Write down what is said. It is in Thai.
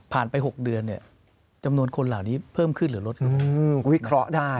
ผ่านไป๖เดือนจำนวนคนเหล่านี้เพิ่มขึ้นหรือลดขึ้น